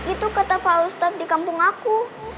itu kata pak ustadz di kampung aku